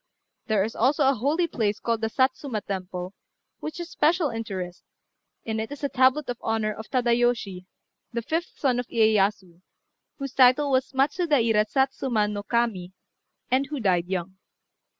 There is also a holy place called the Satsuma Temple, which has a special interest; in it is a tablet in honour of Tadayoshi, the fifth son of Iyéyasu, whose title was Matsudaira Satsuma no Kami, and who died young.